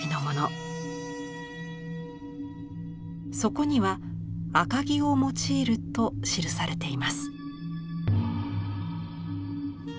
そこには「赤木」を用いると記されています。